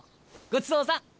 ごちそうさん！